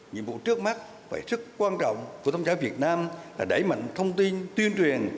nhiệm vụ trước mắt và sức quan trọng của thông giáo việt nam là đẩy mạnh thông tin tuyên truyền